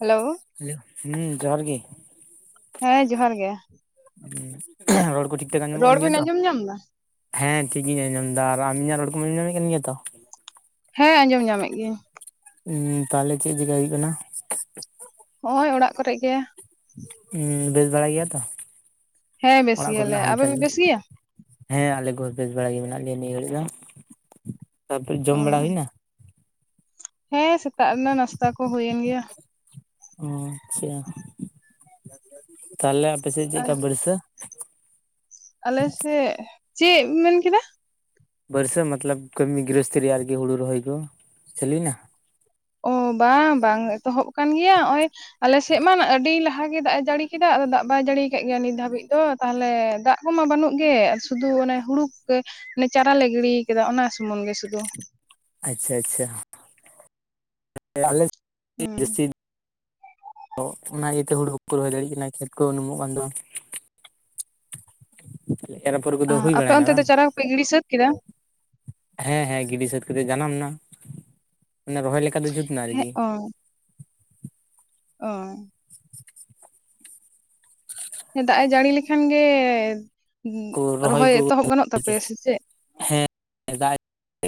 Hello hello ᱦᱩᱸ ᱡᱚᱦᱟᱨ ᱜᱮ, ᱦᱮᱸ ᱡᱚᱦᱟᱨ ᱜᱮ ᱨᱚᱲ ᱠᱚ ᱴᱷᱤᱠ ᱴᱷᱟᱠ ᱟᱸᱡᱚᱢᱚᱜ ᱨᱚᱲ ᱠᱟᱱ ᱜᱮᱭᱟ ᱵᱤᱱ ᱛᱚ ᱟᱸᱡᱚᱢ ᱧᱟᱢ ᱮᱫᱟ ᱦᱮᱸ ᱴᱷᱤᱠ ᱜᱤᱧ ᱟᱸᱡᱚᱢᱫᱟ ᱟᱨ ᱟᱢ ᱤᱧᱟᱹᱜ ᱨᱚᱲ ᱠᱚᱢ ᱟᱸᱡᱚᱢᱮᱫ ᱠᱟᱱ ᱜᱮᱭᱟ ᱛᱚ ᱦᱮᱸ ᱟᱸᱡᱚᱢ ᱧᱟᱢᱮᱜ ᱜᱤᱭᱟᱹᱧ ᱾ ᱩᱸ ᱛᱟᱦᱚᱞᱮ ᱪᱮᱜ ᱪᱤᱠᱟᱹᱭ ᱦᱩᱭᱩᱜ ᱠᱟᱱᱟ? ᱱᱚᱜᱼᱚᱭ ᱚᱲᱟᱜ ᱠᱚᱨᱮᱜ ᱜᱮ, ᱵᱮᱥ ᱵᱟᱲᱟ ᱜᱮᱭᱟ ᱛᱚ ᱦᱮᱸ ᱵᱮᱥ ᱚᱲᱟᱜ ᱜᱮᱭᱟᱞᱮ, ᱠᱚᱨᱮᱱᱟᱜ ᱟᱯᱮ ᱦᱟᱞᱪᱟᱞ ᱯᱮ ᱠᱚ? ᱵᱮᱥ ᱜᱮᱭᱟ? ᱦᱮᱸ ᱟᱞᱮ ᱠᱚᱦᱚᱸ ᱵᱮᱥ ᱵᱟᱲᱟ ᱜᱮ ᱢᱮᱱᱟᱜ ᱞᱮᱭᱟ ᱱᱤᱭᱟᱹ ᱜᱟᱹᱲᱤᱡ ᱫᱚ, ᱛᱟᱯᱚᱨᱮ ᱚ ᱡᱚᱢ ᱵᱟᱲᱟ ᱦᱩᱭᱱᱟ? ᱦᱮᱸ ᱥᱮᱛᱟᱜ ᱨᱮᱱᱟᱜ ᱱᱟᱥᱛᱟ ᱠᱚ ᱦᱩᱭᱮᱱ ᱜᱮᱭᱟ ᱾ ᱚ ᱟᱪᱪᱷᱟ ᱛᱟᱦᱚᱞᱮ ᱟᱯᱮᱥᱮᱫ ᱪᱮᱫ ᱞᱮᱠᱟ ᱵᱟᱹᱲᱥᱟᱹ? ᱟᱞᱮᱥᱮᱫ ᱪᱮᱫ ᱢᱮᱱᱠᱮᱫᱟ? ᱵᱟᱹᱨᱥᱟᱹ ᱢᱚᱛᱞᱚᱵ ᱠᱟᱹᱢᱤ ᱜᱨᱤᱦᱚᱥᱛᱷᱤ ᱨᱮᱭᱟᱜ ᱟᱨᱠᱤ ᱦᱩᱲᱩ ᱨᱚᱦᱚᱭ ᱠᱚ ᱪᱟᱹᱞᱩᱭᱼᱱᱟ? ᱚ ᱵᱟᱝ ᱵᱟᱝ ᱮᱛᱚᱦᱚᱵ ᱟᱠᱟᱱ ᱜᱮᱭᱟ ᱱᱚᱜᱼᱚᱭ ᱟᱞᱮᱥᱮᱫ ᱢᱟ ᱟᱹᱰᱤ ᱞᱟᱦᱟ ᱜᱮ ᱫᱟᱜ ᱮ ᱡᱟᱹᱲᱤ ᱠᱮᱫᱟ ᱟᱫᱚ ᱫᱟᱜ ᱵᱟᱭ ᱡᱟᱹᱲᱤ ᱟᱠᱟᱜ ᱜᱮᱭᱟ ᱱᱤᱛ ᱫᱷᱟᱹᱵᱤᱡ ᱫᱚ ᱛᱟᱦᱚᱞᱮ ᱫᱟᱜ ᱠᱚᱢᱟ ᱵᱟᱹᱱᱩᱜ ᱜᱮ ᱥᱩᱫᱷᱩ ᱚᱱᱮ ᱦᱩᱬᱩ ᱠᱚ ᱜᱮ ᱢᱟᱱᱮ ᱪᱟᱨᱟ ᱞᱮ ᱜᱤᱲᱤ ᱟᱠᱟᱫᱟ ᱚᱱᱟ ᱥᱩᱢᱩᱝ ᱜᱮ ᱥᱩᱫᱩ ᱟᱪᱪᱷᱟ ᱟᱪᱪᱷᱟ ᱟᱞᱮ ᱦᱩᱸ [unintelligible] ᱛᱚ ᱚᱱᱟ ᱤᱭᱟᱹᱛᱮ ᱦᱩᱬᱩ ᱦᱚᱸᱠᱚ ᱨᱚᱦᱚᱭ ᱫᱟᱲᱮᱭᱟᱜ ᱠᱟᱱᱟ ᱪᱮᱫ ᱠᱚ ᱩᱱᱩᱢᱚᱜ ᱠᱟᱱ ᱫᱚ ᱮᱨ ᱚᱯᱷᱚᱨ ᱠᱚᱫᱚ ᱦᱩᱭ ᱟᱯᱮ ᱚᱱᱛᱮ ᱵᱟᱲᱟᱭᱮᱱᱟ ᱫᱚ ᱵᱟᱝ? ᱪᱟᱨᱟ ᱠᱚᱯᱮ ᱜᱤᱲᱤ ᱥᱟᱹᱛ ᱠᱮᱫᱟ ᱦᱮᱸ ᱦᱮᱸ ᱜᱤᱰᱤ ᱥᱟᱹᱛ ᱠᱟᱛᱮᱜ ᱡᱟᱱᱟᱢ ᱮᱱᱟ ᱢᱟᱱᱮ ᱨᱚᱦᱚᱭ ᱞᱮᱠᱟ ᱫᱚ ᱡᱩᱛ ᱮᱱᱟ ᱦᱮᱸ ᱟᱨᱠᱤ, ᱚ ᱚ ᱫᱟᱜ ᱮ ᱡᱟᱹᱲᱤ ᱞᱮᱠᱷᱟᱱ ᱜᱮᱻ ᱠᱚ ᱨᱚᱦᱚᱭ ᱠᱚ ᱮᱛᱚᱦᱚᱵ ᱜᱟᱱᱚᱜ ᱟᱨᱠᱤ ᱛᱟᱯᱮᱭᱟ ᱥᱮ ᱪᱮᱫ?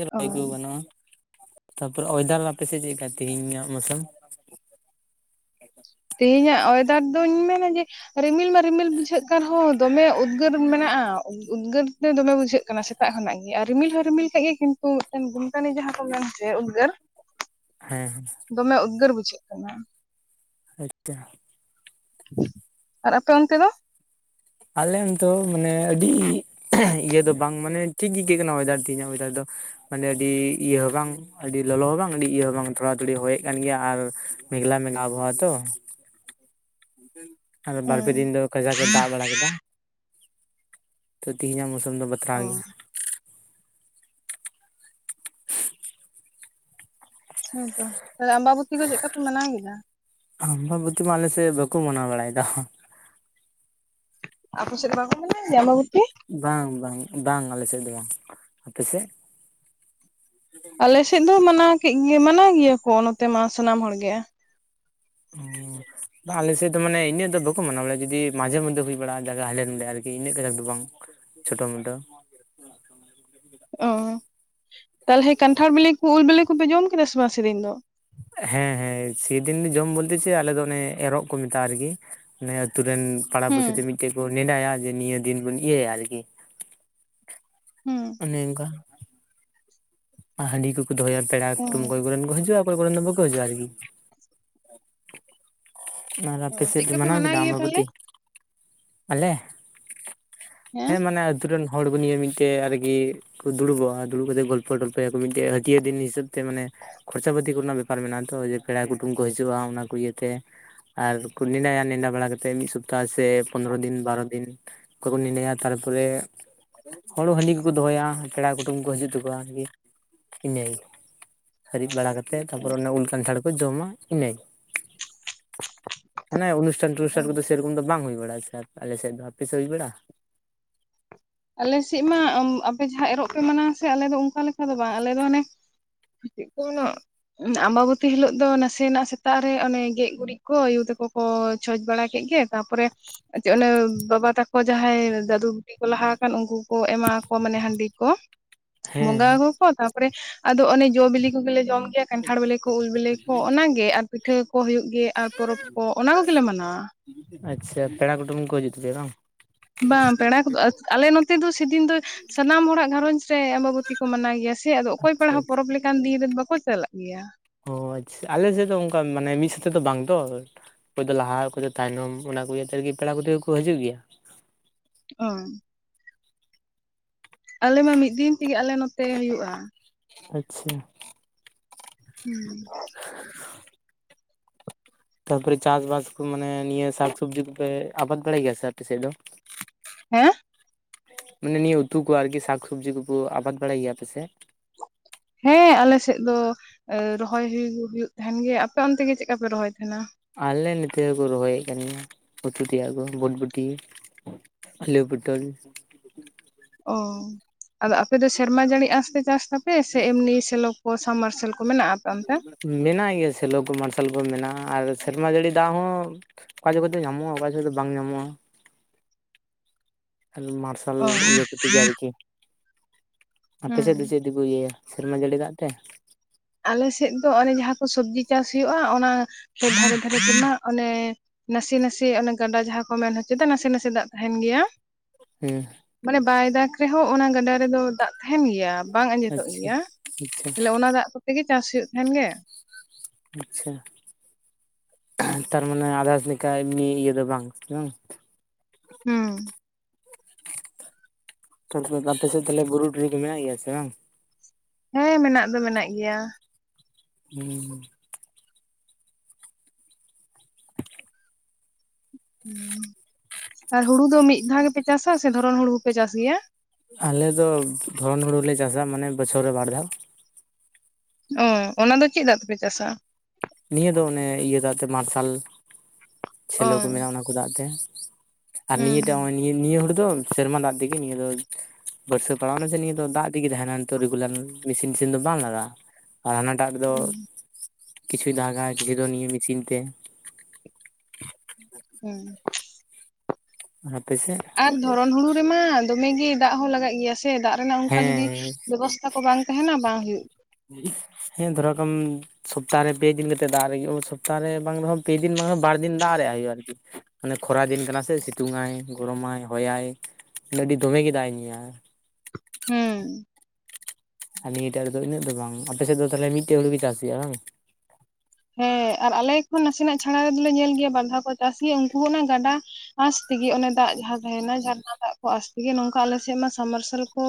ᱨᱚ ᱚ ᱠᱚ ᱜᱟᱱᱚᱜᱼᱟ ᱛᱟᱯᱚᱨᱮ ᱚᱭᱮᱫᱟᱨ ᱟᱯᱮᱥᱮ ᱪᱮᱫ ᱞᱮᱠᱟ ᱛᱮᱦᱤᱧᱟᱜ ᱢᱳᱥᱢ ᱛᱮᱦᱮᱧᱟᱜ ᱚᱭᱮᱫᱟᱨ ᱫᱚᱧ ᱢᱮᱱᱟ ᱡᱮ ᱨᱤᱢᱤᱞ ᱢᱟ ᱨᱤᱢᱤᱞ ᱵᱩᱡᱷᱟᱹᱜ ᱠᱟᱱ ᱨᱮᱦᱚᱸ ᱫᱚᱢᱮ ᱩᱫᱽᱜᱟᱹᱨ ᱢᱮᱱᱟᱜᱼᱟ ᱾ ᱩᱫᱽᱜᱟᱹᱨ ᱛᱮ ᱫᱚᱢᱮ ᱵᱩᱡᱷᱟᱹᱜ ᱠᱟᱱᱟ ᱥᱮᱛᱟᱜ ᱠᱷᱚᱱᱟᱜ ᱜᱮ ᱟᱨ ᱨᱤᱢᱤᱞ ᱦᱚᱸ ᱨᱤᱢᱤᱞ ᱠᱟᱜᱼᱜᱮᱭᱟ ᱠᱤᱱᱛᱩ ᱢᱤᱫᱴᱮᱱ ᱜᱩᱱᱴᱟᱱᱤ ᱡᱟᱦᱟᱸ ᱩᱫᱽᱜᱟᱹᱨ ᱦᱮᱸ ᱫᱚᱢᱮ ᱩᱫᱽᱜᱟᱹᱨ ᱵᱩᱡᱷᱟᱹᱜ ᱠᱟᱱᱟ ᱾ ᱟᱪᱪᱷᱟ ᱟᱨ ᱟᱯᱮ ᱚᱱᱛᱮ ᱫᱚ ᱟᱞᱮ ᱫᱚ ᱢᱟᱱᱮ ᱟᱹᱰᱤ ᱤᱭᱟᱹ ᱫᱚ ᱵᱟᱝ ᱢᱟᱱᱮ ᱴᱷᱤᱠ ᱜᱮ ᱟᱹᱭᱠᱟᱹᱜ ᱠᱟᱱᱟ ᱚᱭᱮᱫᱟᱨ ᱛᱮᱦᱮᱧᱟᱜ ᱚᱭᱮᱫᱟᱨ ᱫᱚ ᱢᱟᱱᱮ ᱟᱹᱰᱤ ᱤᱭᱟᱹ ᱦᱚᱸ ᱵᱟᱝ ᱟᱹᱰᱤ ᱞᱚᱞᱚ ᱦᱚᱸ ᱵᱟᱝ ᱟᱹᱰᱤ ᱤᱭᱟᱹ ᱦᱚᱸ ᱵᱟᱝ ᱛᱷᱚᱲᱟ ᱛᱷᱚᱲᱤ ᱦᱚᱭᱮᱫ ᱠᱟᱱ ᱜᱮᱭᱟ ᱟᱨ ᱢᱮᱜᱷᱞᱟ ᱢᱮᱜᱷᱞᱟ ᱟᱵᱚᱦᱟᱣᱟ ᱛᱚ ᱟᱫᱚ ᱵᱟᱨᱯᱮ ᱦᱩᱸ ᱫᱤᱱ ᱫᱚ ᱠᱷᱡᱟᱠ ᱮ ᱫᱟᱜ ᱵᱟᱲᱟ ᱠᱮᱫᱟ ᱛᱚ ᱛᱮᱦᱤᱧᱟᱜ ᱢᱳᱥᱚᱢ ᱫᱚ ᱵᱟᱛᱨᱟᱣ ᱜᱮᱭᱟ ᱚ ᱦᱮᱸ ᱛᱚ ᱛᱟᱦᱞᱮ ᱟᱢᱵᱟᱵᱚᱛᱤ ᱠᱚ ᱪᱮᱫ ᱞᱮᱠᱟ ᱯᱮ ᱢᱟᱱᱟᱣ ᱠᱮᱫᱟ? ᱟᱢᱵᱟᱵᱚᱛᱤ ᱢᱟ ᱟᱞᱮᱥᱮᱫ ᱵᱟᱠᱚ ᱢᱟᱱᱟᱣ ᱵᱟᱲᱟᱭᱮᱫᱟ ᱾ ᱟᱨᱯ ᱥᱮᱫ ᱨᱮ ᱵᱟᱠᱚ ᱢᱟᱱᱟᱭ ᱜᱮᱭᱟ ᱟᱢᱵᱟᱵᱚᱛᱤ? ᱵᱟᱝ ᱵᱟᱝ ᱵᱟᱝ ᱟᱞᱮᱥᱮᱫ ᱫᱚ ᱵᱟᱝ ᱟᱯᱮᱥᱮᱫ ᱟᱞᱮᱥᱮᱫ ᱫᱚ ᱢᱟᱱᱟᱣ ᱠᱮᱫ ᱜᱮ ᱢᱟᱱᱟᱣ ᱜᱮᱭᱟ ᱠᱚ ᱱᱚᱛᱮ ᱢᱟ ᱥᱟᱱᱟᱢ ᱦᱚᱲᱜᱮ ᱾ ᱦᱩᱸ ᱵᱟᱝ ᱟᱞᱮᱥᱮᱫ ᱦᱚ ᱢᱟᱱᱮ ᱟᱯᱮᱥᱮᱫ ᱟᱞᱮ ᱥᱮᱫ ᱫᱚ ᱢᱟᱱᱮ ᱤᱱᱟᱹᱜ ᱫᱚ ᱵᱟᱠᱚ ᱢᱟᱱᱟᱣᱟ ᱡᱩᱫᱤ ᱢᱟᱡᱷᱮ ᱢᱚᱫᱽᱫᱷᱮ ᱦᱩᱭ ᱵᱟᱲᱟᱜ ᱡᱟᱭᱜᱟ ᱦᱮᱱᱰᱮ ᱟᱨᱠᱤ ᱤᱱᱟᱹᱜ ᱠᱟᱡᱟᱠ ᱫᱚ ᱵᱟᱝ ᱪᱷᱳᱴᱳ ᱢᱳᱴᱳ ᱚ ᱛᱟᱦᱚᱞᱮ ᱠᱟᱱᱴᱷᱟᱲ ᱵᱤᱞᱤ ᱠᱩ ᱩᱞ ᱵᱤᱞᱤ ᱠᱚᱯᱮ ᱡᱚᱢ ᱠᱮᱫᱟ ᱥᱮ ᱵᱟᱝ ᱥᱮᱫᱤᱱ ᱫᱚ? ᱦᱮᱸ ᱦᱮᱸ ᱥᱮᱫᱤᱱ ᱡᱚᱢ ᱵᱚᱞᱛᱮ ᱪᱮ ᱟᱞᱮ ᱫᱚ ᱚᱱᱮ ᱮᱨᱚᱜ ᱠᱚ ᱢᱮᱛᱟᱜᱼᱟ ᱟᱨᱠᱤ ᱱᱤᱣᱟᱹ ᱟᱛᱩᱨ ᱨᱮᱱ ᱯᱟᱲᱟ ᱦᱩᱸ ᱯᱩᱲᱥᱤᱛᱮ ᱢᱤᱫᱴᱮᱡ ᱠᱚ ᱱᱮᱰᱟᱭᱟ ᱡᱮ ᱱᱤᱭᱟᱹ ᱫᱤᱱ ᱵᱤᱱ ᱤᱭᱟᱹᱭᱟ ᱟᱨᱠᱤ ᱦᱮᱸ ᱱᱮᱝᱠᱟ ᱦᱟᱺᱰᱤ ᱠᱚᱠᱚ ᱫᱚᱦᱚᱭᱟ ᱯᱮᱲᱟ ᱚᱠᱚᱭ ᱠᱚᱨᱮᱱ ᱠᱚ ᱦᱤᱡᱩᱜᱼᱟ ᱚᱠᱚᱭ ᱠᱚᱨᱮᱱ ᱫᱚ ᱵᱟᱠᱚ ᱦᱤᱡᱩᱜᱼᱟ ᱟᱨᱠᱤ ᱟᱨ ᱚ ᱟᱯᱮ ᱥᱮᱫ ᱪᱮᱫᱠᱟ ᱯᱮ ᱢᱟᱱᱟᱣ ᱠᱮᱫᱟ ᱜᱮᱭᱟ ᱛᱟᱦᱚᱞᱮ? ᱟᱢᱵᱟᱵᱚᱛᱤ ᱟᱞᱮ ᱦᱮᱸ ᱢᱟᱱᱮ ᱟᱛᱳ ᱨᱮᱱ ᱦᱚᱲ ᱠᱚ ᱱᱤᱭᱮ ᱢᱤᱫᱴᱮᱡ ᱟᱨᱜᱮ ᱠᱩ ᱫᱩᱲᱩᱵᱚᱜᱼᱟ ᱫᱩᱬᱩᱵᱽᱼᱟ ᱯᱚᱴᱚᱯ ᱛᱟᱭᱟ ᱠᱚ ᱢᱤᱫᱴᱮᱡ ᱦᱟᱹ ᱡᱮ ᱫᱤᱱ ᱦᱤᱥᱟᱹᱵ ᱛᱮ ᱢᱟᱱᱮ ᱠᱷᱚᱨᱪᱟ ᱯᱟᱹᱛᱤ ᱠᱚᱨᱮᱱᱟᱜ ᱵᱮᱯᱟᱨ ᱢᱮᱱᱟᱜᱼᱟ ᱛᱚ ᱡᱮ ᱯᱮᱲᱟ ᱠᱩᱴᱩᱢ ᱠᱚ ᱦᱤᱡᱩᱜᱼᱟ ᱚᱱᱟ ᱠᱚ ᱤᱭᱟᱹᱛᱮ ᱟᱨ ᱠᱚ ᱱᱮᱰᱟᱭᱟ ᱱᱮᱰᱟ ᱵᱟᱲᱟ ᱠᱟᱛᱮᱫ ᱢᱤᱫ ᱥᱚᱯᱛᱟᱦ ᱥᱮ ᱯᱚᱱᱨᱚ ᱫᱤᱱ ᱵᱟᱨᱚ ᱫᱤᱱ ᱚᱠᱚᱭ ᱠᱚ ᱱᱤᱰᱟᱭᱟ ᱛᱟᱨᱯᱚᱨᱮ ᱦᱚᱲᱚ ᱦᱟᱺᱰᱤ ᱠᱚᱠᱚ ᱫᱚᱦᱚᱭᱟ ᱯᱮᱲᱟ ᱠᱩᱴᱩᱢ ᱠᱚ ᱦᱤᱡᱩᱜ ᱛᱚᱠᱚᱣᱟ ᱱᱟᱜ ᱤᱱᱟᱹ ᱦᱟᱹᱨᱤᱫ ᱵᱟᱲᱟ ᱠᱟᱛᱮ ᱛᱟᱯᱚᱨ ᱚᱱᱟ ᱩᱞ ᱠᱟᱱᱴᱷᱟᱲ ᱠᱚ ᱡᱚᱢᱟ ᱤᱱᱟᱹ ᱜᱮ ᱢᱟᱱᱮ ᱩᱱᱩᱥ ᱥᱴᱟᱱ ᱴᱩᱨᱥᱴᱟᱱ ᱠᱚᱫᱚ ᱥᱮᱨᱚᱠᱚᱢ ᱫᱚ ᱵᱟᱝ ᱦᱩᱭ ᱵᱟᱲᱼᱟᱷᱟ ᱟᱪᱷᱟ ᱟᱞᱮᱥᱮᱫ ᱫᱚ ᱟᱯᱮᱥᱮᱫ ᱦᱩᱭ ᱵᱟᱲᱼᱟ? ᱟᱞᱮᱥᱮᱫ ᱢᱟ ᱟᱢ ᱟᱯᱮ ᱡᱟᱦᱟᱸ ᱮᱨᱚᱜ ᱯᱮ ᱢᱟᱱᱟᱣᱟ ᱥᱮ ᱟᱞᱮ ᱫᱚ ᱚᱱᱠᱟ ᱞᱮᱠᱟ ᱫᱚ ᱵᱟᱝ ᱟᱞᱮ ᱫᱚ ᱚᱱᱮ ᱯᱷᱤᱪᱟᱜ ᱠᱚ ᱩᱱᱟᱜ ᱟᱢᱵᱟᱵᱚᱛᱤ ᱦᱤᱞᱚᱜ ᱫᱚ ᱱᱟᱥᱮᱱᱟᱜ ᱥᱮᱛᱟᱜ ᱨᱮ ᱚᱱᱮ ᱜᱮᱡ ᱜᱩᱨᱤᱡ ᱠᱚ ᱭᱩ ᱛᱠᱚ ᱠᱚ ᱪᱷᱚᱸᱪ ᱵᱟᱲᱟ ᱠᱮᱫ ᱜᱮ ᱛᱟᱯᱚᱨᱮ ᱪᱮ ᱚᱱᱮ ᱵᱟᱵᱟ ᱛᱟᱠᱚ ᱡᱟᱦᱟᱸᱭ ᱫᱟᱫᱩ ᱵᱩᱰᱤ ᱠᱚ ᱞᱟᱦᱟ ᱠᱷᱟᱱ ᱩᱱᱠᱩ ᱠᱚ ᱮᱢᱟ ᱠᱚᱣᱟ ᱢᱟᱱᱮ ᱦᱟᱺᱰᱤ ᱠᱚ ᱵᱚᱸᱜᱟ ᱦᱮᱸ ᱦᱳᱠ ᱚ ᱛᱟᱯᱚᱨᱮ ᱟᱫᱚ ᱚᱱᱮ ᱡᱚ ᱵᱤᱞᱤ ᱠᱚᱜᱮᱞᱮ ᱡᱚᱢ ᱜᱮᱭᱟ ᱾ ᱠᱟᱱᱴᱷᱟᱲ ᱵᱤᱞᱤ ᱠᱚ ᱩᱞ ᱵᱤᱞᱤ ᱠᱚ ᱚᱱᱟᱜᱮ ᱟᱨ ᱯᱤᱴᱷᱟᱹ ᱠᱚ ᱦᱩᱭᱩᱜ ᱜᱮ ᱟᱨ ᱯᱚᱨᱚᱵᱽ ᱠᱚ ᱚᱱᱟ ᱠᱚᱜᱮᱞᱮ ᱢᱟᱱᱟᱣᱟ ᱾ ᱟᱪᱷᱟ ᱯᱮᱲᱟ ᱠᱩᱴᱩᱢ ᱠᱚ ᱦᱤᱡᱩᱜ ᱛᱟᱞᱮᱭᱟ ᱵᱟᱝ? ᱵᱟᱝ ᱯᱮᱲᱟ ᱠᱚᱫᱚ ᱟᱞᱮ ᱱᱚᱛᱮ ᱫᱚ ᱥᱮᱫᱤᱱ ᱫᱚ ᱥᱟᱱᱟᱢ ᱦᱚᱲᱟᱜ ᱜᱷᱟᱨᱚᱸᱡᱽ ᱨᱮ ᱟᱢᱵᱟᱵᱚᱛᱤ ᱠᱚ ᱢᱟᱱᱟᱣ ᱜᱮᱭᱟ ᱥᱮ ᱟᱫᱚ ᱚᱠᱚᱭ ᱟᱪᱪᱷᱟ ᱯᱟᱲᱦ ᱟᱪᱪᱷᱟ ᱦᱚᱸ ᱯᱚᱨᱚᱵᱽ ᱞᱮᱠᱟᱱ ᱫᱤᱱ ᱨᱮᱱ ᱵᱟᱠᱚ ᱪᱟᱞᱟᱜᱼᱟ ᱜᱮᱭᱟ ᱚ ᱟᱪᱷᱟ ᱟᱞᱮ ᱥᱮᱫ ᱫᱚ ᱚᱱᱠᱟ ᱢᱟᱱᱮ ᱢᱤᱫ ᱥᱟᱛᱮ ᱫᱚ ᱵᱟᱝ ᱫᱚ ᱚᱠᱚᱭ ᱫᱚ ᱞᱟᱦᱟ ᱚᱠᱚᱭ ᱫᱚ ᱛᱟᱭᱱᱚᱢ ᱚᱱᱟ ᱠᱚ ᱤᱭᱟᱹ ᱛᱮᱜᱮ ᱯᱮᱲᱟ ᱠᱚᱫᱚ ᱠᱚ ᱦᱤᱡᱩᱜ ᱜᱮᱭᱟ ᱚᱻ ᱟᱞᱮ ᱢᱟ ᱢᱤᱫ ᱫᱤᱱ ᱛᱮᱜᱮ ᱟᱞᱮ ᱱᱚᱛᱮ ᱦᱩᱭᱩᱜᱼᱟ ᱟᱪᱪᱷᱟ ᱦᱩᱸᱻ ᱛᱟᱨᱯᱚᱨᱮ ᱪᱟᱥᱼᱵᱟᱥ ᱠᱚ ᱢᱟᱱᱮ ᱱᱤᱭᱟᱹ ᱥᱟᱠ ᱥᱚᱵᱽᱡᱤ ᱠᱚᱯᱮ ᱟᱵᱟᱫ ᱵᱟᱲᱟᱭ ᱜᱮᱭᱟ ᱥᱮ ᱟᱯᱮ ᱥᱮᱫ ᱫᱚ? ᱦᱮᱸ ᱢᱟᱱᱮ ᱱᱤᱭᱟᱹ ᱩᱛᱩ ᱠᱚ ᱟᱨᱠᱤ ᱥᱟᱠᱼᱥᱚᱵᱽᱡᱤ ᱠᱚᱠᱚ ᱟᱵᱟᱫ ᱵᱟᱲᱟᱭ ᱜᱮᱭᱟ ᱟᱯᱮ ᱥᱮᱫ? ᱦᱮᱸ ᱟᱞᱮᱥᱮᱫ ᱫᱚ ᱨᱚᱦᱚᱭ ᱦᱩᱭᱩᱜ ᱦᱩᱭᱩᱜ ᱛᱟᱦᱮᱸᱱ ᱜᱮ ᱟᱯᱮ ᱚᱱᱛᱮ ᱜᱮ ᱪᱮᱫ ᱠᱟ ᱯᱮ ᱨᱚᱦᱚᱭ ᱛᱟᱦᱮᱱᱟ? ᱟᱞᱮ ᱱᱚᱛᱮ ᱦᱚᱸᱠᱚ ᱨᱚᱦᱚᱭᱮᱫ ᱠᱟᱱ ᱜᱮᱭᱟ ᱩᱛᱩ ᱛᱮᱭᱟᱜ ᱠᱚ ᱵᱩᱴᱵᱩᱴᱤ ᱟᱞᱩ ᱯᱚᱴᱚᱞ ᱚ ᱟᱫᱚ ᱟᱯᱮ ᱫᱚ ᱥᱮᱨᱢᱟ ᱡᱟᱹᱲᱤ ᱟᱸᱥᱛᱮ ᱪᱟᱥ ᱛᱟᱯᱮ ᱥᱮ ᱮᱢᱱᱤ ᱥᱮᱞᱚᱠ ᱠᱚ ᱥᱟᱵᱼᱢᱟᱨᱥᱟᱞ ᱠᱚ? ᱠᱚ ᱢᱮᱱᱟᱜᱼᱟ ᱟᱯᱮ ᱚᱱᱛᱮ? ᱢᱮᱱᱟᱜ ᱜᱮᱭᱟ ᱥᱮᱞᱚ ᱠᱚ ᱢᱟᱨᱥᱟᱞ ᱠᱚ ᱢᱮᱱᱟᱜᱼᱟ ᱟᱨ ᱥᱮᱨᱢᱟ ᱡᱟᱹᱲᱤ ᱫᱟᱜ ᱦᱚᱸ ᱚᱠᱟ ᱡᱚᱠᱷᱚᱡ ᱫᱚ ᱧᱟᱢᱚᱜᱼᱟ ᱚᱠᱟ ᱡᱚᱠᱷᱚᱡ ᱫᱚ ᱵᱟᱝ ᱧᱟᱢᱚᱜᱼᱟ ᱢᱟᱨᱥᱟᱞ ᱚ ᱤᱭᱟᱹ ᱠᱚᱛᱮ ᱜᱮ ᱟᱨᱠᱤ ᱾ ᱟᱯᱮ ᱥᱮᱫ ᱫᱚ ᱦᱩᱸ ᱪᱮᱫ? ᱛᱮᱠᱚ ᱤᱭᱟᱹᱭᱟ ᱥᱮᱨᱢᱟ ᱡᱟᱹᱲᱤ ᱫᱟᱜ ᱛᱮ? ᱟᱞᱮ ᱥᱮᱫ ᱫᱚ ᱚᱱᱮ ᱡᱟᱦᱟᱸ ᱠᱚ ᱥᱚᱵᱽᱡᱤ ᱪᱟᱥ ᱦᱩᱭᱩᱜᱼᱟ ᱚᱱᱟ ᱠᱚ ᱫᱷᱟᱨᱮ ᱫᱷᱟᱨᱮ ᱛᱮᱱᱟᱜ ᱚᱱᱮ ᱱᱟᱥᱮ ᱱᱟᱥᱮ ᱚᱱᱮ ᱜᱟᱰᱟ ᱡᱟᱦᱟᱸ ᱠᱚ ᱢᱮᱱ ᱦᱚᱪᱚᱭ ᱫᱟ ᱱᱟᱥᱮ ᱱᱟᱥᱮ ᱫᱟᱜ ᱛᱟᱦᱮᱱ ᱜᱮᱭᱟ ᱦᱮᱸ ᱢᱟᱱᱮ ᱵᱟᱭ ᱫᱟᱜᱽ ᱨᱮᱦᱚᱸ ᱚᱱᱟ ᱜᱟᱰᱟ ᱨᱮᱫᱚ ᱫᱟᱜ ᱛᱟᱦᱮᱱ ᱜᱮᱭᱟ ᱵᱟᱝ ᱟᱸᱡᱮᱫᱚᱜ ᱟᱪᱪᱷᱟ ᱜᱮᱭᱟ ᱟᱪᱪᱷᱟ ᱛᱟᱦᱚᱞᱮ ᱚᱱᱟ ᱫᱟᱜ ᱠᱚᱛᱮ ᱜᱮ ᱪᱟᱥ ᱦᱩᱭᱩᱜ ᱛᱟᱦᱮᱱ ᱜᱮᱭᱟ ᱟᱪᱷᱟ ᱛᱟᱨ ᱢᱟᱱᱮ ᱟᱫᱟᱥ ᱞᱮᱠᱟ ᱮᱢᱱᱤ ᱤᱭᱟᱹ ᱫᱚ ᱵᱟᱝ ᱥᱮᱵᱟᱝ ᱦᱩᱸ ᱛᱚᱨᱮ ᱟᱯᱮ ᱥᱮᱫ ᱛᱟᱦᱚᱞᱮ ᱵᱩᱨᱩ ᱴᱩᱨᱩ ᱠᱚ ᱢᱮᱱᱟᱜ ᱜᱮᱭᱟ ᱥᱮ ᱵᱟᱝ? ᱦᱮᱸ ᱢᱮᱱᱟᱜ ᱫᱚ ᱢᱮᱱᱟᱜ ᱜᱮᱭᱟ ᱦᱩᱸᱻ ᱦᱩ ᱟᱨ ᱦᱩᱲᱩ ᱫᱚ ᱢᱤᱫ ᱫᱷᱟᱣ ᱜᱮᱯᱮ ᱪᱟᱥᱟ ᱥᱮ ᱫᱷᱚᱨᱚᱱ ᱦᱩᱲᱩ ᱦᱚᱸᱯᱮ ᱪᱟᱥ ᱜᱮᱭᱟ? ᱟᱞᱮ ᱫᱚ ᱫᱷᱚᱨᱚᱱ ᱦᱩᱲᱩ ᱞᱮ ᱪᱟᱥᱟ ᱢᱟᱱᱮ ᱵᱚᱪᱷᱚᱨ ᱨᱮ ᱵᱟᱨ ᱫᱷᱟᱣ ᱚ ᱚᱱᱟ ᱫᱚ ᱪᱮᱫ ᱫᱟᱜ ᱛᱮᱯᱮ ᱪᱟᱥᱟ? ᱱᱤᱭᱟᱹ ᱫᱚ ᱚᱱᱮ ᱤᱭᱟᱹ ᱫᱟᱜ ᱛᱮ ᱢᱟᱨᱥᱟᱞ ᱪᱷᱮᱞᱳ ᱠᱚ ᱚ ᱢᱮᱱᱟᱜᱼᱟ ᱚᱱᱟ ᱠᱚ ᱫᱟᱜ ᱛᱮ ᱟᱨ ᱱᱤᱭᱟᱹᱴᱟᱜ ᱦᱩᱸ ᱱᱤᱭᱟᱹ ᱦᱳᱲᱳ ᱫᱚ ᱥᱮᱨᱢᱟ ᱫᱟᱜ ᱛᱮᱜᱮ ᱱᱤᱭᱟᱹ ᱫᱚ ᱵᱟᱹᱨᱥᱟᱹ ᱯᱟᱲᱟᱣ ᱱᱟ ᱥᱮ ᱱᱤᱭᱟᱹ ᱫᱚ ᱫᱟᱜ ᱛᱮᱜᱮ ᱛᱟᱦᱮᱱᱟ ᱱᱤᱛᱚᱜ ᱨᱮᱜᱩᱞᱟᱨ ᱢᱮᱥᱤᱱ ᱢᱮᱥᱤᱱ ᱫᱚ ᱵᱟᱝ ᱞᱟᱜᱟᱜᱼᱟ ᱟᱨ ᱦᱟᱱᱟᱴᱟᱜ ᱨᱮᱫᱚ ᱦᱩᱸ ᱠᱤᱪᱷᱩᱭ ᱫᱟᱜᱟ ᱠᱤᱪᱷᱩ ᱫᱚ ᱱᱤᱭᱟᱹ ᱢᱮᱥᱤᱱ ᱛᱮ ᱦᱩᱸ ᱦᱟᱯᱮ ᱥᱮ ᱟᱨ ᱫᱷᱚᱨᱚᱱ ᱦᱩᱲᱩ ᱨᱮᱢᱟ ᱫᱚᱢᱮ ᱜᱮ ᱫᱟᱜ ᱦᱚᱸ ᱞᱟᱜᱟᱜ ᱜᱮᱭᱟ ᱥᱮ ᱫᱟᱜ ᱨᱮᱱᱟᱜ ᱚᱱᱠᱟ ᱦᱮᱸ ᱡᱩᱫᱤ ᱦᱮᱸ ᱵᱮᱵᱚᱥᱛᱟ ᱠᱚ ᱵᱟᱝ ᱛᱟᱦᱮᱸᱱᱟ ᱵᱟᱝ ᱦᱩᱭᱩᱜ ᱦᱮᱸ ᱫᱷᱚᱨᱟᱣ ᱠᱟᱢ ᱥᱚᱯᱛᱟᱦᱚ ᱨᱮ ᱯᱮ ᱫᱤᱱ ᱠᱟᱛᱮ ᱫᱟᱜ ᱟᱨᱮᱡ ᱦᱩᱭᱩᱜᱼᱟ, ᱥᱚᱯᱛᱟᱦᱚ ᱨᱮ ᱵᱟᱝ ᱨᱮᱦᱚᱸ ᱯᱮ ᱫᱤᱱ ᱵᱟᱝ ᱨᱮᱦᱚ ᱵᱟᱨ ᱫᱤᱱ ᱫᱟᱜ ᱟᱨᱮᱡᱟᱜ ᱦᱩᱭᱩᱜᱼᱟ ᱟᱨᱠᱤ ᱢᱟᱱᱮ ᱠᱷᱚᱨᱟ ᱫᱤᱱ ᱠᱟᱱᱟ ᱥᱮ ᱥᱤᱛᱩᱝ ᱟᱭ ᱜᱚᱨᱚᱢᱟᱭ ᱦᱚᱭᱟᱭ ᱟᱹᱰᱤ ᱫᱚᱢᱮ ᱜᱮ ᱫᱟᱜ ᱮ ᱧᱩᱭᱟ ᱦᱩᱸ ᱟᱨ ᱱᱤᱭᱟᱹ ᱴᱟᱜ ᱨᱮᱫᱚ ᱤᱱᱟᱹᱜ ᱫᱚ ᱵᱟᱝ ᱾ ᱟᱯᱮ ᱥᱮᱫ ᱫᱚ ᱛᱟᱦᱞᱮ ᱢᱤᱫᱴᱮᱡ ᱦᱩᱲᱩ ᱜᱮ ᱪᱟᱥ ᱦᱩᱭᱩᱜᱼᱟ ᱵᱟᱝ? ᱦᱮᱸ ᱟᱨ ᱟᱞᱮ ᱠᱷᱚᱱ ᱱᱟᱥᱮᱱᱟᱜ ᱪᱷᱟᱲᱟ ᱨᱮᱫᱚ ᱞᱮ ᱧᱮᱞ ᱜᱮᱭᱟ ᱵᱟᱨ ᱫᱷᱟᱣ ᱠᱚ ᱪᱟᱥ ᱜᱮᱭᱟ ᱩᱱᱠᱩᱦᱚᱸ ᱚᱱᱟ ᱜᱟᱰᱟ ᱟᱸᱥ ᱛᱮᱜᱮ ᱚᱱᱮ ᱫᱟᱜ ᱡᱟᱦᱟᱸ ᱛᱟᱦᱮᱸᱱᱟ ᱡᱷᱟᱨᱱᱟ ᱫᱟᱜ ᱠᱚ ᱟᱸᱥ ᱛᱮᱜᱮ ᱱᱚᱝᱠᱟ ᱟᱞᱮ ᱥᱮᱫ ᱢᱟ ᱥᱟᱵᱼᱢᱟᱨᱥᱟᱞ ᱠᱚ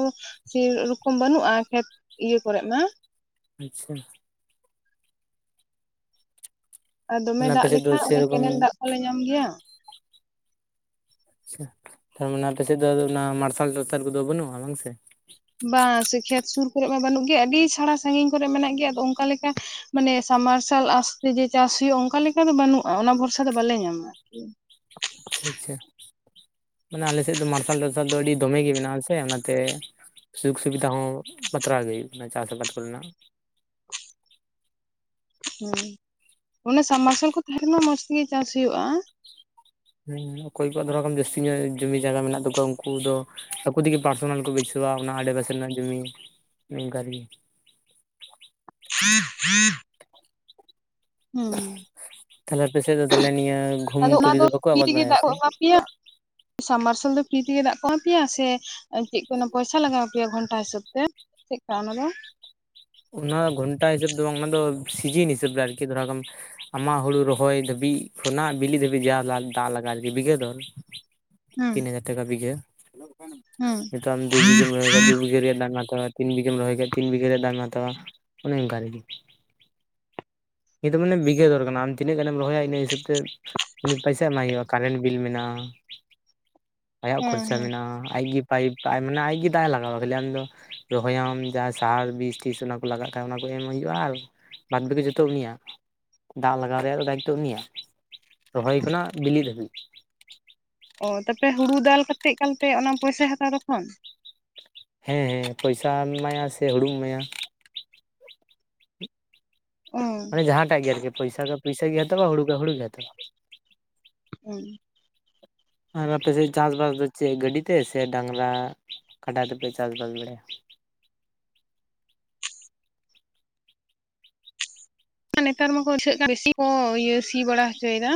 ᱥᱮᱨᱚᱠᱚᱢ ᱵᱟᱹᱱᱩᱜᱼᱟ ᱠᱷᱮᱛ ᱤᱭᱟᱹ ᱠᱚᱨᱮᱜᱼᱢᱟ ᱟᱪᱪᱷᱟ ᱟᱨ ᱫᱚᱢᱮ ᱚᱱᱟ ᱟᱯᱮ ᱫᱟᱜ ᱥᱮᱫ ᱫᱚ ᱞᱮᱠᱷᱟᱡ ᱚᱱᱮ ᱥᱮᱨᱚᱠᱚᱢ ᱠᱮᱱᱮᱞ ᱫᱟᱜ ᱠᱚᱞᱮ ᱧᱟᱢ ᱜᱮᱭᱟ ᱟᱪᱪᱷᱟ ᱛᱟᱨ ᱢᱟᱱᱮ ᱟᱯᱮ ᱥᱮᱫ ᱫᱚ ᱚᱱᱟ ᱢᱟᱨᱥᱟᱞ [unintelligible] ᱠᱚᱫᱚ ᱵᱟᱹᱱᱩᱜᱼᱟ ᱵᱟᱝ ᱥᱮ? ᱵᱟᱝᱟ ᱥᱮ ᱠᱷᱮᱛ ᱥᱩᱨ ᱠᱚᱨᱮᱜ ᱢᱟ ᱵᱟᱹᱱᱩᱜ ᱜᱮ, ᱟᱹᱰᱤ ᱪᱷᱟᱲᱟ ᱥᱟᱺᱜᱤᱧ ᱠᱚᱨᱮ ᱢᱮᱱᱟᱜ ᱜᱮᱭᱟ ᱟᱫᱚ ᱚᱱᱠᱟ ᱞᱮᱠᱟ ᱢᱟᱱᱮ ᱥᱟᱵᱢ ᱢᱟᱨᱥᱟᱞ ᱟᱥ ᱛᱮ ᱡᱮ ᱪᱟᱥ ᱦᱩᱭᱩᱜᱼᱟ ᱚᱱᱠᱟ ᱞᱮᱠᱟ ᱫᱚ ᱵᱟᱹᱱᱩᱜᱼᱟ ᱚᱱᱟ ᱵᱷᱚᱨᱥᱟ ᱫᱚ ᱵᱟᱞᱮ ᱧᱟᱢᱟ ᱟᱨᱠᱤ᱾ ᱟᱪᱪᱷᱟ ᱟᱪᱪᱷᱟ ᱢᱟᱱᱮ ᱟᱞᱮ ᱥᱮᱫ ᱫᱚ ᱢᱟᱨᱥᱟᱞ ᱴᱟᱨᱥᱟᱞ ᱫᱚ ᱟᱹᱰᱤ ᱫᱚᱢᱮ ᱜᱮ ᱢᱮᱱᱟᱜᱼᱟ ᱥᱮ ᱚᱱᱮ ᱛᱮ ᱥᱩᱠᱷ ᱥᱩᱵᱤᱫᱷᱟ ᱦᱚᱸ ᱵᱟᱛᱨᱟᱣ ᱜᱮ ᱦᱩᱭᱩᱜ ᱠᱟᱱᱟ ᱪᱟᱥ ᱟᱵᱟᱫ ᱠᱚᱨᱮᱱᱟᱜ ᱦᱩᱸ ᱚᱱᱮ ᱥᱟᱢᱢᱟᱨᱥᱟᱞ ᱠᱩ ᱛᱟᱦᱮᱸ ᱠᱮᱢᱟ ᱢᱚᱸᱡᱽ ᱛᱮ ᱜᱮ ᱪᱟᱥ ᱦᱩᱭᱩᱜᱼᱟ ᱦᱩᱸ ᱚᱠᱚᱭ ᱠᱚᱣᱟᱜ ᱫᱷᱚᱨᱟᱣ ᱠᱟᱡ ᱢᱮ ᱡᱟᱹᱥᱛᱤ ᱧᱚᱜ ᱡᱚᱢᱤ ᱡᱟᱭᱜᱟ ᱢᱮᱱᱟᱜ ᱛᱟᱠᱚᱣᱟ ᱩᱱᱠᱩ ᱫᱚ ᱟᱠᱩ ᱛᱮ ᱜᱮ ᱯᱟᱨᱥᱚᱱᱟᱞ ᱠᱚ ᱵᱟᱹᱭᱥᱟᱹᱭ [inaudible] ᱱᱳᱣᱟ ᱚᱱᱟ ᱟᱞᱮᱯᱟᱥᱮ ᱨᱮᱱᱟᱜ ᱡᱩᱢᱤ ᱮᱱᱮ ᱟᱚᱝᱠᱟ ᱜᱤ [unintelligible] ᱦᱩᱸ ᱛᱟᱦᱞᱮ ᱟᱯᱮ ᱥᱮᱫ ᱫᱚ ᱛᱟᱦᱚᱞᱮ ᱱᱤᱭᱟᱹ ᱜᱩᱦᱩᱢ ᱟᱫᱚ ᱚᱱᱟ ᱛᱩᱲᱤ ᱫᱚ ᱵᱟᱠᱚ ᱟᱵᱟᱫ ᱵᱟᱲᱟᱭᱟ ᱥᱮ ᱥᱟᱢᱢᱟᱨᱥᱟᱞ ᱫᱚ ᱯᱷᱤᱨᱤ ᱛᱮ ᱜᱮ ᱫᱟᱜ ᱠᱚ ᱮᱢᱟ ᱯᱮᱭᱟ ᱥᱮ ᱪᱮᱫ ᱠᱚᱱᱚ ᱯᱚᱭᱥᱟ ᱞᱟᱜᱟᱣ ᱯᱮᱭᱟ ᱜᱷᱚᱱ ᱚᱱᱟ ᱦᱤᱥᱟᱹᱵᱽ ᱛᱮ ᱪᱮᱫᱠᱟ ᱚᱱᱟ ᱫᱚ ᱚᱱᱟ ᱜᱷᱚᱱᱴᱟ ᱦᱤᱥᱟᱹᱵ ᱫᱚ ᱵᱟᱝ ᱚᱱᱟ ᱫᱚ ᱥᱤᱡᱤᱱ ᱦᱤᱥᱟᱹᱵᱽ ᱛᱮ ᱟᱨᱠᱤ ᱫᱷᱚᱨᱟ ᱠᱟᱢ ᱟᱢᱟᱜ ᱦᱩᱲᱩ ᱨᱚᱦᱚᱭ ᱫᱷᱟᱹᱵᱤᱡ ᱠᱷᱚᱱᱟᱜ ᱵᱤᱞᱤ ᱫᱷᱟᱹᱵᱤᱡ ᱡᱟ ᱫᱟᱜ ᱞᱟᱜᱟᱜᱼᱟ ᱟᱨᱠᱤ ᱵᱤᱜᱷᱟᱹ ᱫᱚᱨ ᱦᱮᱸ ᱛᱤᱱ ᱦᱟᱡᱟᱨ ᱴᱟᱠᱟ ᱵᱤᱜᱷᱟᱹ ᱦᱮᱸ ᱱᱤᱛᱳᱜ ᱟᱢ ᱫᱩ ᱵᱤᱜᱷᱟᱹ ᱨᱚᱦᱚᱭ ᱠᱷᱟᱡ ᱫᱩ ᱵᱤᱜᱷᱟᱹ ᱨᱮᱭᱟᱜ ᱫᱟᱢ ᱦᱟᱛᱟᱣᱟᱭ ᱛᱤᱱ ᱵᱤᱜᱷᱟᱹᱢ ᱨᱚᱦᱚᱭ ᱠᱷᱟᱡ ᱛᱤᱱ ᱵᱤᱜᱷᱟᱹ ᱨᱮᱭᱟᱜ ᱫᱟᱢ ᱮ ᱦᱟᱛᱟᱣᱟ ᱚᱱᱮ ᱚᱱᱠᱟ ᱟᱨᱠᱤ ᱱᱤᱭᱟᱹ ᱫᱚ ᱢᱟᱱᱮ ᱵᱜᱷᱟᱹ ᱫᱚᱨ ᱠᱟᱱᱟ ᱟᱢ ᱛᱤᱱᱟᱹᱜ ᱜᱟᱱᱮᱢ ᱨᱚᱦᱚᱭᱟ ᱤᱱᱟᱹ ᱦᱤᱥᱟᱹᱵ ᱛᱮ ᱩᱱᱤ ᱯᱚᱭᱥᱟ ᱮᱢᱟᱭ ᱦᱩᱭᱩᱜᱼᱟ ᱠᱟᱨᱮᱱ ᱵᱤᱞ ᱢᱮᱱᱟᱜᱼᱟ ᱟᱭᱟᱜ ᱦᱮᱸ ᱠᱷᱚᱨᱪᱟ ᱦᱮᱸ ᱢᱮᱱᱟᱜᱼᱟ ᱟᱡᱜᱤ ᱯᱟᱭᱤᱯ ᱢᱟᱱᱮ ᱟᱡ ᱜᱮ ᱫᱟᱜᱼᱮ ᱞᱟᱜᱟᱣᱟ ᱠᱷᱟᱹᱞᱤ ᱟᱢ ᱫᱚ ᱨᱚᱦᱚᱭᱟᱢ ᱡᱟᱦᱟᱸ ᱥᱟᱦᱟᱨ ᱵᱤᱥ ᱵᱤᱥ ᱚᱱᱟ ᱠᱚ ᱞᱟᱜᱟᱜ ᱠᱷᱟᱡ ᱚᱱᱟ ᱠᱚ ᱮᱢ ᱦᱩᱭᱩᱜᱼᱟ ᱟᱨ ᱵᱟᱫᱽ ᱵᱟᱠᱤ ᱡᱚᱛᱚ ᱩᱱᱤᱭᱟᱜ ᱫᱟᱜ ᱞᱟᱜᱟᱣ ᱨᱮᱭᱟᱜ ᱫᱚ ᱫᱟᱭᱤᱛ ᱛᱚ ᱩᱱᱤᱭᱟᱜ ᱨᱚᱦᱚᱭ ᱠᱷᱚᱱᱟᱜ ᱵᱤᱞᱤᱜ ᱫᱷᱟᱹᱵᱤᱡ ᱚ ᱛᱟᱯᱮ ᱦᱩᱲᱩ ᱫᱟᱞ ᱠᱟᱛᱮᱫ ᱮᱠᱟᱞ ᱛᱮ ᱚᱱᱟ ᱯᱚᱭᱥᱟᱭ ᱦᱟᱛᱟᱣᱟ ᱛᱚᱠᱷᱚᱱ ᱦᱮᱸ ᱦᱮᱸ ᱯᱚᱭᱥᱟᱢ ᱮᱢᱟᱭᱟ ᱥᱮ ᱦᱩᱲᱩᱢ ᱮᱢᱟᱭᱟ ᱚ ᱢᱟᱱᱮ ᱡᱟᱦᱟᱸᱴᱟᱜ ᱜᱮ ᱟᱨᱠᱤ ᱯᱚᱭᱥᱟ ᱠᱷᱟ ᱯᱚᱭᱥᱟ ᱜᱮ ᱦᱟᱛᱟᱣᱟ ᱦᱩᱲᱩ ᱠᱷᱟᱡ ᱦᱩᱲᱩ ᱜᱮ ᱦᱟᱛᱟᱣᱟ ᱩᱸ ᱟᱨ ᱟᱯᱮ ᱥᱮᱫ ᱪᱟᱥ ᱵᱟᱥ ᱫᱚ ᱪᱮᱫ ᱜᱟᱹᱰᱤ ᱛᱮ ᱥᱮ ᱰᱟᱝᱨᱟ ᱠᱟᱰᱟ ᱛᱮ ᱯᱮ ᱪᱟᱥ ᱵᱟᱥ ᱵᱟᱲᱟᱭᱟ ᱟᱨ ᱱᱮᱛᱟᱨ ᱢᱟᱠᱚ ᱫᱤᱥᱟᱹ ᱠᱟᱱ ᱵᱮᱥᱤ ᱠᱚ ᱤᱭᱟᱹ ᱥᱤ ᱵᱟᱲᱟ ᱦᱚᱪᱚᱭᱮ ᱫᱟ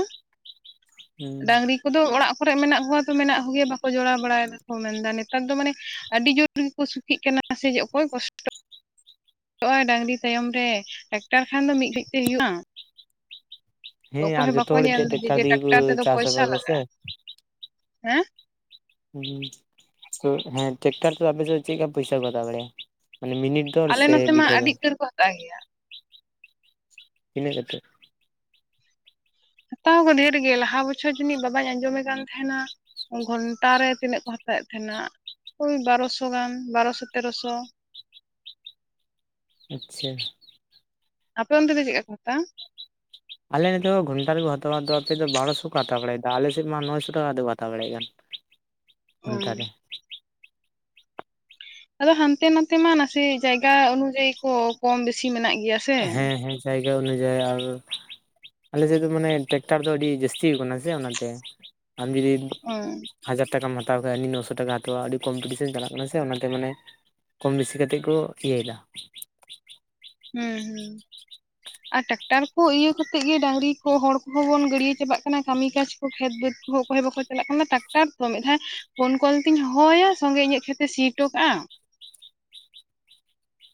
ᱦᱩᱸ ᱰᱟᱝᱨᱤ ᱩᱱᱠᱩ ᱫᱚ ᱚᱲᱟᱜ ᱠᱚ ᱨᱮ ᱢᱮᱱᱟᱜ ᱠᱚᱣᱟ ᱛᱚ ᱢᱮᱱᱟᱜ ᱠᱚᱜᱮᱭᱟ ᱵᱟᱠᱚ ᱡᱚᱲᱟᱣ ᱵᱟᱲᱟᱭ ᱫᱟ ᱠᱚ ᱢᱮᱱᱫᱟ ᱱᱮᱛᱟᱨ ᱫᱚ ᱢᱟᱱᱮ ᱟᱹᱰᱤ ᱡᱳᱨ [unintelligible] ᱥᱩᱠᱷᱤᱜ ᱠᱟᱱᱟ ᱡᱮ ᱥᱮ ᱚᱠᱚᱭ ᱠᱚᱥᱴᱚᱜ [unintelligible] [unintelligible] ᱰᱟᱝᱨᱤ ᱛᱟᱭᱚᱢ ᱨᱮ ᱴᱮᱠᱴᱟᱨ ᱠᱷᱟᱱ ᱫᱚ ᱢᱤᱫ ᱜᱷᱟᱹᱲᱤᱡ ᱛᱮ ᱦᱩᱭᱩᱜᱼᱟ ᱛᱚ ᱦᱮᱸ ᱚᱠᱚᱭ ᱟᱨ ᱦᱚᱸ ᱡᱚᱛᱚ ᱵᱟᱠᱚ ᱦᱚᱲ ᱧᱮᱞ ᱮᱱᱛᱮᱫ ᱫᱟ ᱡᱮ ᱛᱮᱜᱮ ᱠᱚ ᱴᱮᱠᱴᱟᱨ ᱛᱮ ᱫᱚ ᱪᱟᱥ ᱯᱚᱭᱥᱟ ᱟᱵᱟᱫᱟ ᱞᱟᱜᱟᱜᱼᱟ ᱥᱮ ᱦᱮᱸ ᱦᱩᱸ ᱛᱚ ᱦᱮᱸ ᱴᱮᱠᱴᱟᱨ ᱛᱮ ᱟᱯᱮ ᱥᱮᱫ ᱪᱮᱫ ᱠᱟ ᱯᱚᱭᱥᱟ ᱠᱚ ᱦᱟᱛᱟᱣ ᱵᱟᱲᱟᱭᱟᱜᱼᱟ ᱢᱟᱱᱮ ᱢᱤᱱᱤᱴ ᱫᱚᱨ ᱟᱞᱮ ᱥᱮ ᱱᱚᱛᱮ ᱢᱟ ᱵᱤᱜᱷᱟᱹ ᱟᱹᱰᱤ ᱫᱚᱨ ᱩᱛᱟᱹᱨ ᱠᱚ ᱦᱟᱛᱟᱣ ᱜᱮᱭᱟ ᱛᱤᱱᱟᱹᱜ ᱠᱟᱛᱮᱫ ᱦᱟᱛᱟᱣ ᱠᱚ ᱰᱷᱮᱨ ᱜᱮ ᱞᱟᱦᱟ ᱵᱚᱪᱷᱚᱨ ᱡᱟᱹᱱᱤᱡ ᱵᱟᱵᱟᱧ ᱟᱸᱡᱚ ᱢᱮ ᱠᱟᱱ ᱛᱟᱦᱮᱱᱟ ᱜᱷᱚᱱᱴᱟ ᱨᱮ ᱛᱤᱱᱟᱹᱜ ᱠᱚ ᱦᱟᱛᱟᱣᱮᱫ ᱛᱟᱦᱮᱱᱟ ᱳᱭ ᱵᱟᱨᱚᱥᱚ ᱜᱟᱱ ᱵᱟᱨᱚᱥᱚ ᱛᱮᱨᱚᱥᱚ ᱟᱪᱪᱷᱟ ᱟᱯᱮ ᱚᱱᱛᱮ ᱫᱚ ᱪᱮᱫ ᱠᱟ ᱠᱚ ᱦᱟᱛᱟᱣᱟ ᱟᱞᱮ ᱱᱤᱛᱚᱜ ᱜᱷᱚᱱᱟ ᱨᱮ ᱠᱚ ᱦᱟᱛᱟᱣ-ᱟ ᱫᱚ ᱟᱯᱮ ᱵᱟᱨᱚᱥᱚ ᱠᱚ ᱦᱟᱛᱟᱣ ᱵᱟᱲᱟᱭ ᱫᱟ ᱟᱞᱮ ᱥᱮᱫ ᱢᱟ ᱱᱚᱭᱥᱚ ᱴᱟᱠᱟ ᱛᱮ ᱠᱚ ᱦᱟᱛᱟᱣ ᱵᱟᱲᱟᱭᱮᱫ ᱠᱟᱱ ᱚ ᱠᱷᱩᱱᱴᱟ ᱨᱮ ᱟᱫᱚ ᱦᱟᱱᱛᱮ ᱱᱟᱛᱮ ᱢᱟ ᱱᱟᱥᱮ ᱡᱟᱭᱜᱟ ᱚᱱᱩᱡᱟᱭᱤ ᱠᱚ ᱠᱚᱢ ᱵᱮᱥᱤ ᱢᱮᱱᱟᱜ ᱜᱮᱭᱟ ᱥᱮ ᱦᱮᱸ ᱦᱮᱸ ᱡᱟᱭᱜᱟ ᱚᱱᱩᱡᱟᱭᱤ ᱟᱨ ᱟᱞᱮ ᱥᱮᱫ ᱫᱚ ᱢᱟᱱᱮ ᱴᱮᱠᱴᱟᱨ ᱫᱚ ᱟᱹᱰᱤ ᱡᱟᱹᱥᱛᱤ ᱠᱟᱱᱟ ᱥᱮ ᱚᱱᱟ ᱛᱮ ᱟᱢ ᱡᱩᱫᱤ ᱚ ᱦᱩᱸ ᱦᱟᱡᱟᱨ ᱴᱟᱠᱟᱢ ᱦᱟᱛᱟᱣ ᱠᱷᱟᱡ ᱩᱱᱤ ᱱᱚᱥᱚ ᱴᱟᱠᱟ ᱦᱟᱛᱟᱣᱟ ᱟᱹᱰᱤ ᱠᱚᱢᱯᱤᱴᱤᱥᱮᱱ ᱪᱟᱞᱟᱜ ᱠᱟᱱᱟ ᱥᱮ ᱚᱱᱟᱛᱮ ᱢᱟᱱᱮ ᱠᱚᱢ ᱵᱮᱥᱤ ᱠᱟᱛᱮᱫ ᱠᱚ ᱤᱭᱟᱹᱭ ᱫᱟ ᱦᱮᱸ ᱦᱩᱸ [inaudible] ᱟᱨ ᱴᱨᱟᱠᱴᱟᱨ ᱠᱚ ᱤᱭᱟᱹ ᱠᱟᱛᱮᱫ ᱜᱮ ᱰᱟᱝᱨᱤ ᱠᱚ ᱦᱚᱲ ᱠᱚᱦᱚᱸ ᱵᱚᱱ ᱜᱟᱹᱲᱭᱟᱹ ᱪᱟᱵᱟᱜ ᱠᱟᱱᱟ ᱠᱟᱹᱢᱤ ᱠᱟᱡ ᱠᱚ ᱠᱷᱮᱛ ᱵᱟᱹᱫ ᱚᱠᱚᱭ ᱵᱟᱠᱚ ᱪᱟᱞᱟᱜ ᱠᱟᱱᱟ ᱴᱟᱠᱴᱟᱨ ᱛᱚ ᱢᱤᱫ ᱫᱷᱟᱣ ᱯᱷᱳᱱ ᱠᱚᱞ ᱛᱮᱧ ᱦᱚᱦᱚ ᱭᱟ ᱥᱚᱸᱜᱮ ᱤᱧᱟᱹᱜ ᱠᱷᱮᱛ ᱥᱤ ᱦᱚᱴᱚ ᱠᱟᱜᱼᱟ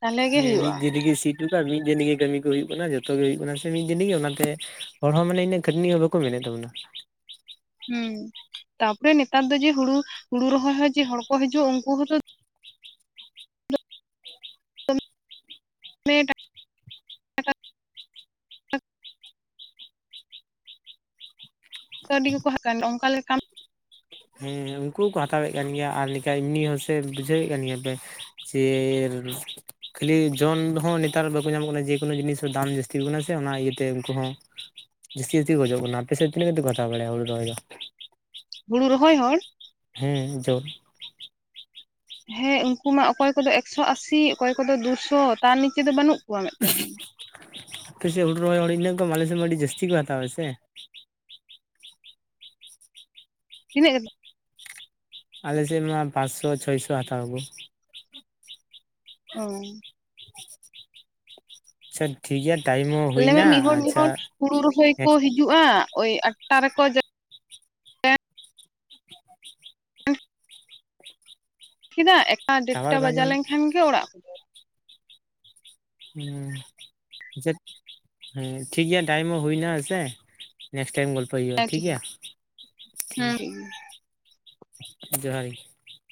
ᱛᱟᱦᱚᱞᱮ ᱜᱮ ᱦᱮᱸ ᱢᱤᱫ ᱦᱩᱭᱩᱜᱼᱟ ᱫᱤᱱ ᱨᱮᱜᱮ ᱥᱤᱴ ᱡᱚᱞᱟ ᱢᱤᱫ ᱫᱤᱱᱜᱮ ᱠᱟᱹᱢᱤ ᱠᱚ ᱦᱩᱭᱩᱜ ᱠᱟᱱᱟ ᱡᱚᱛᱚ ᱜᱮ ᱦᱩᱭᱩᱜ ᱠᱟᱱᱟ ᱥᱮ ᱢᱤᱫ ᱫᱤᱱ ᱨᱮᱜᱮ ᱚᱱᱟᱛᱮ ᱦᱚᱲ ᱦᱚᱸ ᱢᱟᱱᱮ ᱤᱱᱟᱹᱜ ᱠᱷᱴᱱᱤ ᱦᱚᱸ ᱵᱟ ᱠᱚ ᱢᱮᱱᱮᱫ ᱛᱟᱵᱚᱱᱟ ᱦᱩᱸ ᱛᱟᱯᱚᱨᱮ ᱱᱮᱛᱟᱨ ᱫᱚ ᱡᱮ ᱦᱩᱲᱩ ᱦᱩᱲᱩ ᱨᱚᱦᱚᱭ ᱦᱚᱸ ᱡᱮ ᱦᱚᱲ ᱠᱚ ᱦᱤᱡᱩᱜᱼᱟ ᱩᱱᱠᱩ ᱦᱚᱸᱛᱚ ᱢᱮ [unintelligible] ᱠᱟ. ᱣᱰᱤ ᱜᱮᱠᱚ ᱦᱟᱠᱟᱱ ᱚᱝᱠᱟ ᱞᱮᱠᱟᱱ ᱦᱮᱸ ᱩᱱᱠᱩ ᱦᱚᱸᱠᱚ ᱦᱟᱛᱟᱣᱮᱫ ᱠᱟᱱ ᱜᱮᱭᱟ ᱟᱨ ᱞᱮᱠᱟᱭ ᱮᱢᱱᱤ ᱦᱚᱸᱥᱮ ᱵᱩᱡᱷᱟᱹᱣᱮᱫ ᱠᱟᱱ ᱜᱮᱭᱟ ᱯᱮ ᱪᱮᱨᱢ ᱠᱷᱟᱹᱞᱤ ᱡᱚᱱ ᱦᱚᱸ ᱱᱮᱛᱟᱨ ᱵᱟᱠᱚ ᱧᱟᱢᱚᱜ ᱠᱟᱱᱟ ᱡᱮᱠᱳᱱᱳ ᱡᱤᱱᱤᱥ ᱜᱮ ᱫᱟᱢ ᱡᱟᱹᱥᱛᱤ ᱠᱟᱱᱟ ᱥᱮ ᱚᱱᱟ ᱤᱭᱟᱹᱛᱮ ᱩᱱᱠᱩ ᱦᱚᱸ ᱡᱟ. ᱥᱛᱤ ᱤᱛᱟ. ᱭ ᱠᱷᱚᱡᱚᱜ ᱠᱟᱱᱟ ᱟᱯᱮ ᱥᱮᱫ ᱛᱤᱱᱟ. ᱥᱮᱫᱠᱟᱛᱮ ᱠᱚ ᱦᱟᱛᱟᱣ ᱵᱟᱲᱮᱭᱟ ᱦᱩᱲᱩ ᱨᱚᱦᱚᱭ ᱫᱚ ᱦᱩᱲᱩ ᱨᱚᱦᱚᱭ ᱦᱚᱲ ᱦᱮᱸ ᱡᱳᱨ ᱦᱮᱸ ᱩᱱᱠᱩ ᱢᱟ ᱚᱠᱚᱭ ᱠᱚᱫᱚ ᱮᱠᱥᱚ ᱟᱥᱤ ᱚᱠᱚᱭ ᱠᱚᱫᱚ ᱫᱩᱥᱚ ᱛᱟᱨ ᱱᱮᱪᱮ ᱫᱚ ᱵᱟᱹᱱᱩᱜ ᱠᱚᱣᱟ ᱢᱤᱫᱴᱮᱱ ᱦᱚᱸ ᱟᱯᱮᱥᱮᱫ ᱦᱩᱲᱩ ᱨᱚᱦᱚᱭ ᱦᱚᱲ ᱤᱱᱟᱹᱜ ᱠᱚᱢ ᱟᱞᱮᱥᱮᱫ ᱢᱟ ᱟᱹᱰᱤ ᱡᱟᱹᱥᱛᱤ ᱠᱚ ᱦᱟᱛᱟᱣᱟ ᱥᱮ ᱛᱤᱱᱟᱹᱜ ᱠᱟ ᱟᱞᱮᱥᱮᱫ ᱢᱟ ᱯᱟᱸᱪᱥᱚ ᱪᱷᱚᱭ ᱥᱚ ᱦᱟᱛᱟᱣ ᱟᱠᱚ ᱚ ᱟᱪᱷᱟ ᱴᱷᱤᱠ ᱜᱮᱭᱟ ᱴᱟᱭᱤᱢ ᱦᱚᱸ ᱟᱞᱮ ᱦᱩᱭᱱᱟ ᱢᱤᱫ ᱦᱚᱲ ᱢᱤᱫ ᱟᱪᱪᱷᱟ ᱦᱚᱲ ᱦᱩᱲᱩ ᱨᱚᱦᱚᱭ ᱠᱚ ᱱᱮᱠᱥᱴ ᱦᱤᱡᱩᱜᱼᱟ ᱳᱭ ᱟᱴᱴᱟ ᱨᱮᱠᱚ ᱦᱤᱱᱟ. ᱮᱠᱴᱟ ᱴᱟᱣᱟᱨ ᱰᱮᱴᱴᱟ ᱵᱟᱭ ᱧᱟᱢ ᱵᱟᱡᱟᱣ ᱟᱪᱪᱷᱟ ᱞᱮᱱᱠᱷᱟᱱ ᱜᱮ ᱚᱲᱟᱜ ᱠᱚ ᱦᱩᱸ ᱪᱮᱫ ᱦᱮᱸ ᱴᱷᱤᱠ ᱜᱮᱭᱟ ᱴᱟᱭᱤᱢ ᱦᱚᱸ ᱦᱩᱱᱟ ᱦᱮᱸ ᱥᱮ ᱱᱮᱠᱥᱴ ᱴᱟᱭᱤᱢ ᱜᱚᱞ ᱯᱚᱭ ᱦᱳᱭᱳᱜ ᱟᱭ ᱴᱷᱤᱠ ᱜᱮᱭᱟ ᱴᱷᱤᱠ ᱦᱮᱸ ᱡᱚᱦᱟᱨᱜᱮ